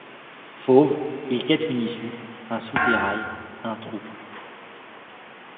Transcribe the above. Fauve, il quête une issue, un soupirail, un trou ;